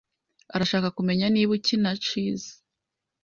Arashaka kumenya niba ukina chess.